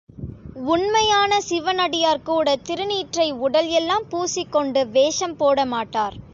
உண்மையான சிவனடியார்கூடத் திருநீற்றை உடல் எல்லாம் பூசிக் கொண்டு வேஷம் போட மாட்டார்.